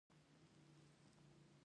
د ایران چرمي توکي مشهور دي.